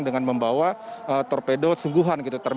dengan membawa torpedo sungguhan gitu